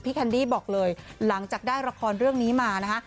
แคนดี้บอกเลยหลังจากได้ละครเรื่องนี้มานะคะ